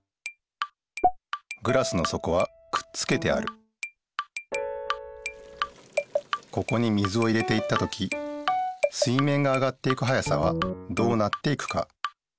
グラスのそこはくっつけてあるここに水を入れていった時水面が上がっていく速さはどうなっていくか。